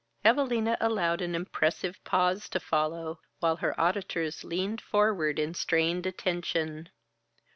Evalina allowed an impressive pause to follow, while her auditors leaned forward in strained attention.